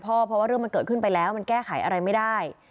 เพราะว่าเรื่องมันเกิดขึ้นไปแล้วมันแก้ไขอะไรไม่ได้